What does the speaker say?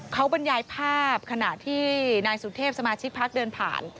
เขาบรรยายภาพขณะที่นายสุเทพสมาชิกพักเดินผ่าน